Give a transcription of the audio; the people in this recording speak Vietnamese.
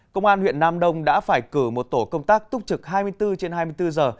công an huyện nam đông đã phải cử một tổ công tác túc trực hai mươi bốn trên hai mươi bốn giờ